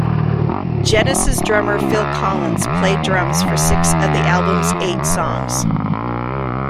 Genesis drummer Phil Collins played drums for six of the album's eight songs.